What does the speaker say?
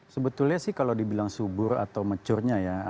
sebetulnya sih kalau dibilang subur atau mature nya ya